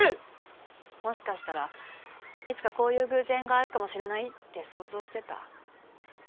もしかしたらいつかこういう偶然があるかもしれないって想像してた。